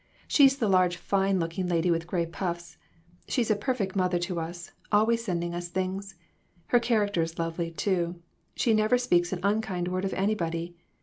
She's the large, fine looking lady, with gray puffs. She's a perfect mother to us, always sending us things. Her character is lovely, too. She never speaks an unkind word of anybody.